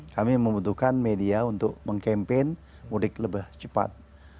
kami membutuhkan media untuk mengkampen mudik lebih cepat